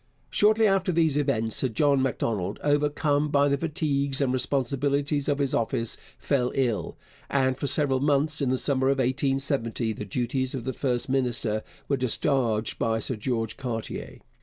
Shortly after these events Sir John Macdonald, overcome by the fatigues and responsibilities of his office, fell ill, and for several months in the summer of 1870 the duties of the first minister were discharged by Sir George Cartier.